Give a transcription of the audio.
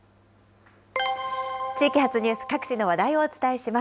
地域発ニュース、各地の話題をお伝えします。